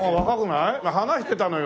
話してたのよ。